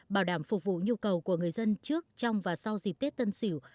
bảo đảm phục vụ nhu cầu của người dân trước trong và sau dịp tết tân sỉu